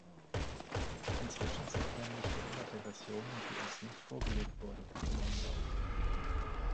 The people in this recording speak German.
Inzwischen sind nämlich geänderte Versionen, die uns nicht vorgelegt wurden, im Umlauf.